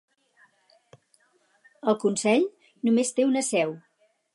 El consell només té una seu.